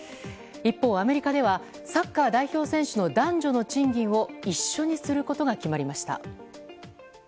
一方、アメリカではサッカー代表選手の男女の賃金を一緒にすることが決まりました。